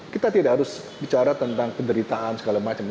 kita tidak harus bicara tentang penderitaan segala macam